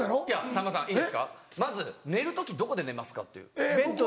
さんまさんいいですかまず寝る時どこで寝ますか？